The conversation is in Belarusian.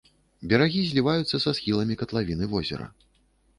Берагі зліваюцца са схіламі катлавіны возера.